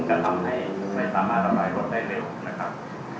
จะทำให้มันไม่สามารถระบายรถได้เร็ว